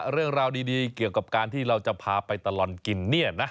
เรื่องราวดีเกี่ยวกับการที่เราจะพาไปตลอดกินเนี่ยนะ